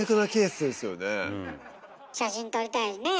写真撮りたいねえ。